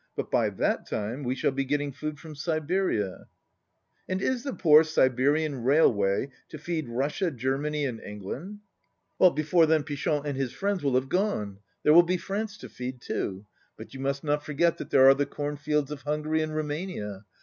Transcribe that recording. But by that time we shall be getting food from Siberia." "And is the poor Siberian railway to feed Rus sia, Germany, and England?" "Before then Pichon and his friends will have gone. There will be France to feefd too. But you must not forget that there are the cornfields of Hungary and Roumania.